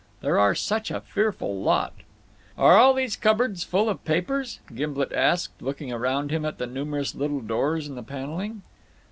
There are such a fearful lot." "Are all these cupboards full of papers?" Gimblet asked, looking round him at the numerous little doors in the panelling.